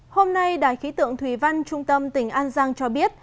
hôm nay đài khí tượng thủy văn trung tâm tỉnh an giang cho biết